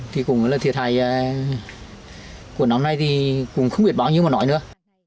thì cũng là thiệt hại của năm nay thì cũng không biết bao nhiêu mà nói nữa